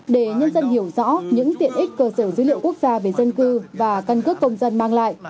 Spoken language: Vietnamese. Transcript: để nhân dân hiểu rõ những tiện ích cơ sở dữ liệu quốc gia về dân cư và căn cước công dân mang lại